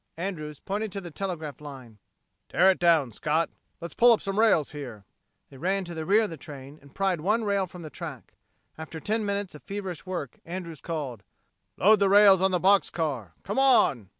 Andrews pointed to the telegraph line. "Tear it down, Scott. Let's pull up some rails here." They ran to the rear of the train and pried one rail from the track. After ten minutes of feverish work, Andrews called: "Load the rails on the box car. Come on!"